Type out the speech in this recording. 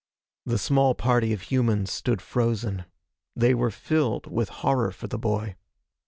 The small party of humans stood frozen. They were filled with horror for the boy.